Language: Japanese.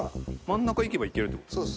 真ん中行けば行けるってことですね。